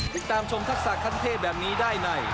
ติดตามชมทักษะขั้นเทพแบบนี้ได้ใน